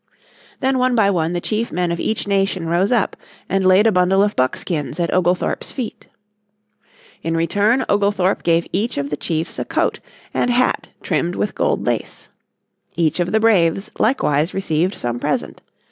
Then one by one the chief men of each nation rose up and laid a bundle of buck skins at Oglethorpe's feet. In return Oglethorpe gave each of the chiefs a coat and hat trimmed with gold lace. Each of the braves likewise received some present.